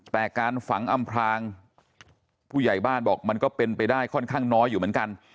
แต่การฝังอำพลางผู้ใหญ่บ้านบอกมันก็เป็นไปได้ค่อนข้างน้อยอยู่เหมือนกัน